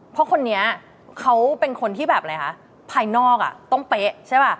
เพราะคนนี้เขาเป็นคนที่แบบอะไรคะภายนอกต้องเป๊ะใช่ป่ะ